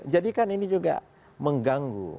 jadi kan ini juga mengganggu